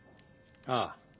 ああ